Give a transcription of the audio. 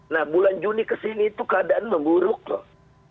nah bulan juni ke sini itu keadaan memburuk loh